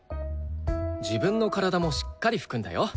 自分の体もしっかり拭くんだよ。